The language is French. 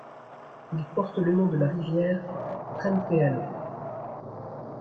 Il porte le nom de la rivière Trempealeau.